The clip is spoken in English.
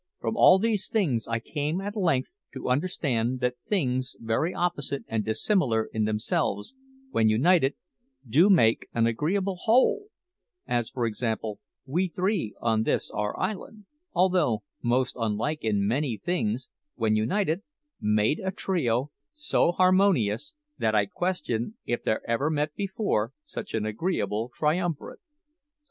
From all these things I came at length to understand that things very opposite and dissimilar in themselves, when united, do make an agreeable whole; as, for example, we three on this our island, although most unlike in many things, when united, made a trio so harmonious that I question if there ever met before such an agreeable triumvirate.